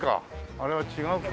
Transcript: あれは違うか。